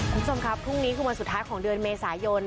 คุณผู้ชมครับพรุ่งนี้คือวันสุดท้ายของเดือนเมษายน